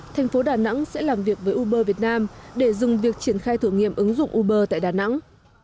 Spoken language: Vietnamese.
tp đà nẵng sẽ làm việc với uber việt nam để dùng việc triển khai thử nghiệm ứng dụng uber tại đà nẵng